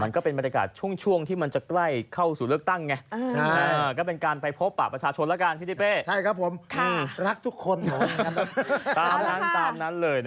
ขอบคุณทุกคน